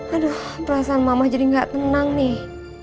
aduh perasaan mama jadi nggak tenang nih